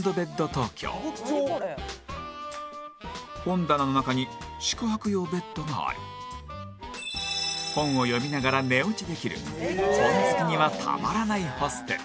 本棚の中に宿泊用ベッドがあり本を読みながら寝落ちできる本好きにはたまらないホステル